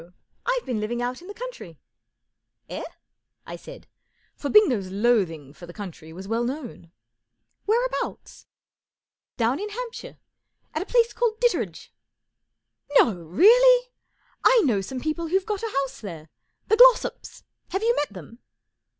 I've been living out in the country/* " Eh ? 11 I said, for Bingo's loathing for the country was well known 41 Whereabouts ?" 41 Down in Hampshire, at a place called Ditteredge/* " No, really ? 1 know some people who've got a house there. The Glossops. Have you met them